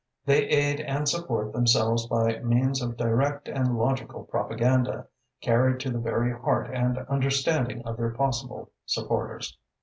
They aid and support themselves by means of direct and logical propaganda, carried to the very heart and understanding of their possible supporters.